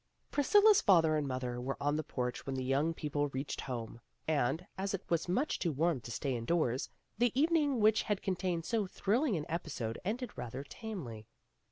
Priscilla's father and mother were on the porch when the young people reached home, and, as it was much too warm to stay indoors, the evening which had contained so thrilling an episode ended rather tamely.